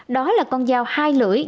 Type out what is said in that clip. đó là con dao hai lưỡi